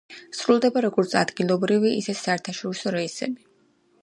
სრულდება როგორც ადგილობრივი, ისე საერთაშორისო რეისები.